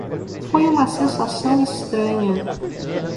Foi uma sensação estranha.